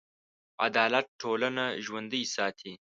عدالت ټولنه ژوندي ساتي.